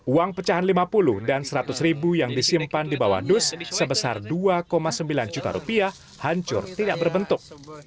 uang pecahan lima puluh dan seratus ribu yang disimpan di bawah dus sebesar dua sembilan juta rupiah hancur tidak berbentuk